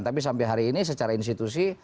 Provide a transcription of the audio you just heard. tapi sampai hari ini secara institusi